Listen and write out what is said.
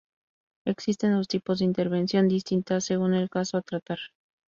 Existen dos tipos de intervención distintas según el caso a tratar.